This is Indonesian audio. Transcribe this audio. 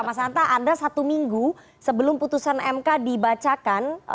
mas hanta anda satu minggu sebelum putusan mk dibacakan